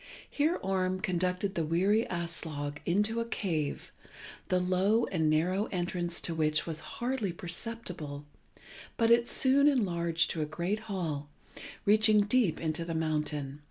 Here Orm conducted the weary Aslog into a cave, the low and narrow entrance to which was hardly perceptible, but it soon enlarged to a great hall, reaching deep into the mountain.